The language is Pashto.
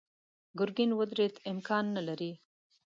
ګرګين ودرېد: امکان نه لري.